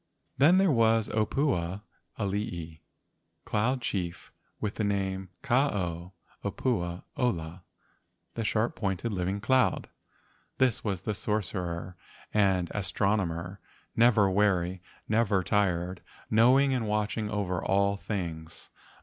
Then there was the opua alii, cloud chief with the name Ka ao opua ola (the sharp pointed living cloud). This was the sorcerer and as¬ tronomer, never weary, never tired, knowing and watching over all things.